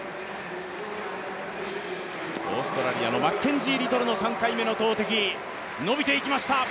オーストラリアのマッケンジー・リトルの３回目の投てき伸びていきました。